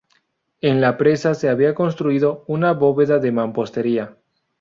En la presa se había construido una bóveda de mampostería.